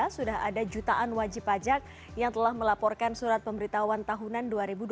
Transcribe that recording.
sudah ada jutaan wajib pajak yang telah melaporkan surat pemberitahuan tahunan dua ribu dua puluh